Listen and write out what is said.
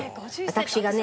私がね